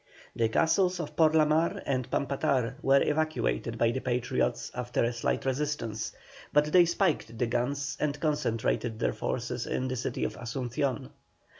The castles of Porlamar and Pampatar were evacuated by the Patriots after a slight resistance, but they spiked the guns and concentrated their forces in the city of Asuncion.